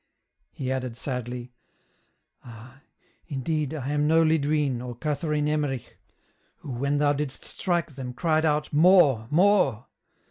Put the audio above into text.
He added sadly, " Ah ! indeed I am no Lidwine or Catherine Emmerich, who when Thou didst strike them cried out. More, more